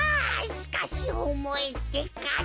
しかしおもいってか。